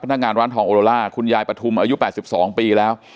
นักงานร้านทองโอโลล่าคุณยายปฐุมอายุ๘๒ปีแล้ว